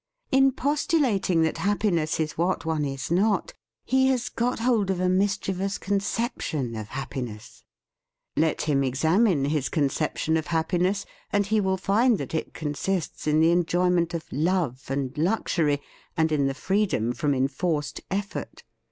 In postulating that happiness is what one is not, he has got hold of a mischievous conception of happiness. Let him examine his con ception of happiness, and he will find that it consists in the enjoyment of love and luxury, and in the freedom from enforced effort.